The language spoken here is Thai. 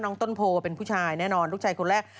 ต้นโพเป็นผู้ชายแน่นอนลูกชายคนแรก